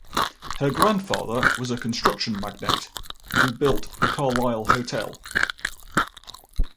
Her grandfather was a construction magnate who built the Carlyle Hotel.